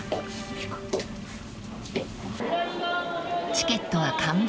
［チケットは完売］